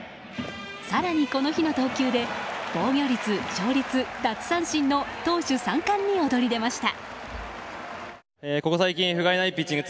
更に、この日の投球で防御率、勝率、奪三振の投手三冠に躍り出ました。